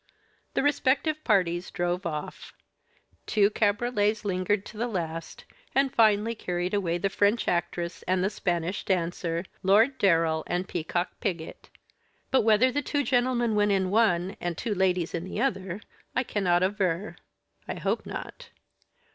The respective parties drove off. Two cabriolets lingered to the last, and finally carried away the French actress and the Spanish dancer, Lord Darrell, and Peacock Piggott; but whether the two gentlemen went in one and two ladies in the other I cannot aver. I hope not.